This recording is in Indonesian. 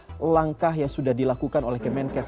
apa langkah yang sudah dilakukan oleh kemenkes